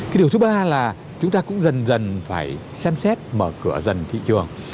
cái điều thứ ba là chúng ta cũng dần dần phải xem xét mở cửa dần thị trường